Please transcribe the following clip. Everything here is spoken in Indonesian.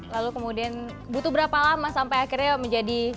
lalu kemudian butuh berapa lama sampai akhirnya menjadi